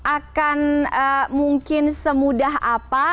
akan mungkin semudah apa